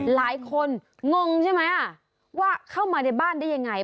งงใช่ไหมว่าเข้ามาในบ้านได้ยังไง